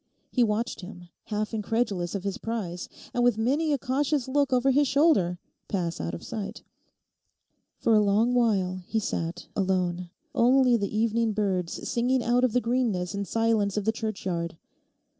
He watched him, half incredulous of his prize, and with many a cautious look over his shoulder, pass out of sight. For a long while he sat alone, only the evening birds singing out of the greenness and silence of the churchyard.